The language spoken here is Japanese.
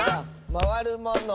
「まわるもの」